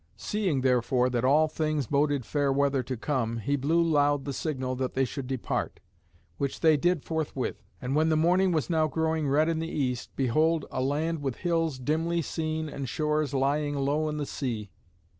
Seeing therefore that all things boded fair weather to come, he blew loud the signal that they should depart; which they did forthwith. And when the morning was now growing red in the east, behold a land with hills dimly seen and shores lying low in the sea.